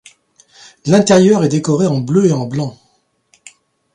L'intérieur est décoré en bleu et en blanc.